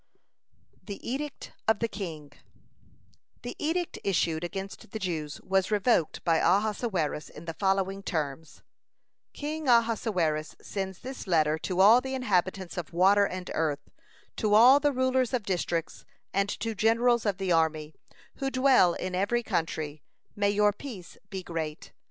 (191) THE EDICT OF THE KING The edict issued against the Jews was revoked by Ahasuerus in the following terms: "King Ahasuerus sends this letter to all the inhabitants of water and earth, to all the rulers of districts, and to generals of the army, who dwell in every country; may your peace be great!